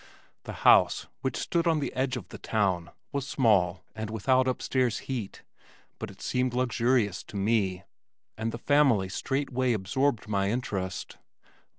The house, which stood on the edge of the town, was small and without upstairs heat, but it seemed luxurious to me, and the family straightway absorbed my interest.